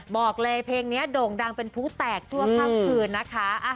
บอกเลยเพลงนี้โด่งดังเป็นผู้แตกชั่วข้ามคืนนะคะ